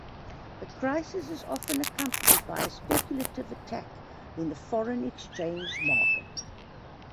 The crisis is often accompanied by a speculative attack in the foreign exchange market.